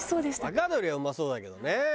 若鶏はうまそうだけどね。